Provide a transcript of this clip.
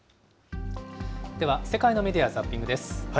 では世界のメディア・ザッピングです。